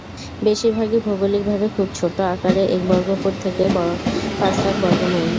বেশিরভাগই ভৌগলিকভাবে খুব ছোট, আকারে এক বর্গফুট থেকে পাঁচ লাখ বর্গমাইল।